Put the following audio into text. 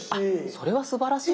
それはすばらしい。